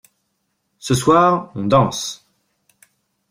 Ce soir on danse.